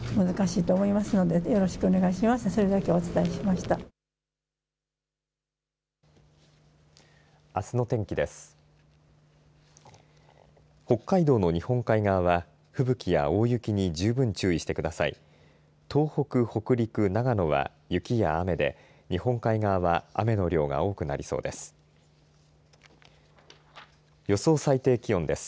東北、北陸、長野は雪や雨で日本海側は雨の量が多くなりそうです。